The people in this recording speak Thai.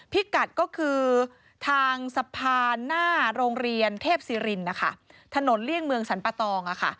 พิกัดก็คือทางสะพานหน้าโรงเรียนเทพศิรินนะคะถนนเลี่ยงเมืองสรรปะตองค่ะ